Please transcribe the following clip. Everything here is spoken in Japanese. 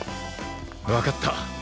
わかった！